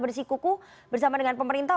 bersikuku bersama dengan pemerintah